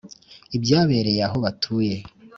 ibyabereye aho batuye